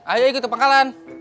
akhirnya ikut ke pangkalan